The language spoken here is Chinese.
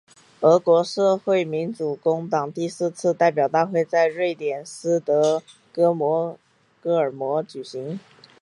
俄国社会民主工党第四次代表大会在瑞典斯德哥尔摩举行。